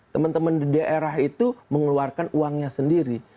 teman teman di daerah itu mengeluarkan uangnya sendiri